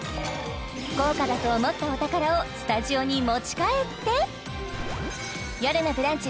高価だと思ったお宝をスタジオに持ち帰って「よるのブランチ」